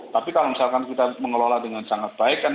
tapi kalau misalkan kita mengelola dengan sangat baik kan